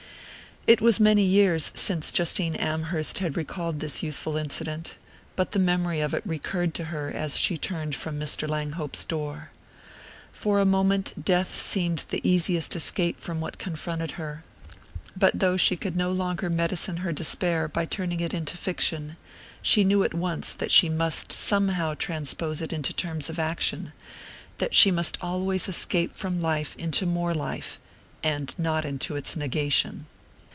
It was many years since Justine Amherst had recalled this youthful incident; but the memory of it recurred to her as she turned from Mr. Langhope's door. For a moment death seemed the easiest escape from what confronted her; but though she could no longer medicine her despair by turning it into fiction, she knew at once that she must somehow transpose it into terms of action, that she must always escape from life into more life, and not into its negation.